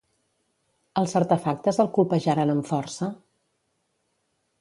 Els artefactes el colpejaren amb força?